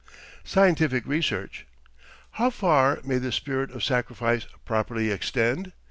SCIENTIFIC RESEARCH How far may this spirit of sacrifice properly extend?